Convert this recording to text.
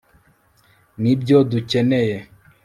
nibyo dukeneye